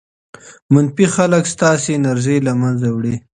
منفي خلک ستاسې انرژي له منځه وړي.